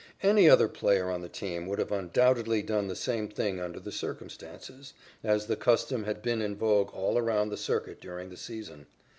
Any other player on the team would have undoubtedly done the same thing under the circumstances, as the custom had been in vogue all around the circuit during the season.